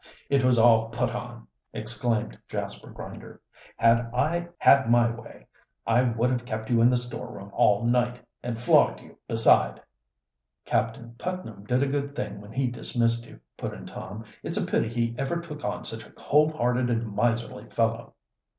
it was all put on," exclaimed Jasper Grinder. "Had I had my way, I would have kept you in the storeroom all night, and flogged you beside." "Captain Putnam did a good thing when he dismissed you," put in Tom. "It's a pity he ever took on such a cold hearted and miserly fellow."